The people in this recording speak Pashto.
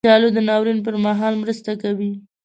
کچالو د ناورین پر مهال مرسته کوي